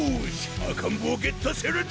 赤ん坊ゲットするぞ！